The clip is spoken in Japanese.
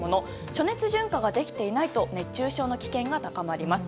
暑熱順化ができていないと熱中症の危険が高まります。